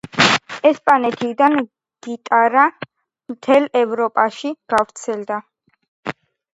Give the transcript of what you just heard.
ესპანეთიდან გიტარა მთელ ევროპაში გავრცელდა.